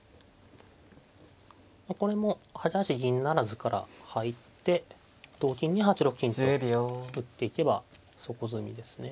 これも８八銀不成から入って同金に８六金と打っていけば即詰みですね。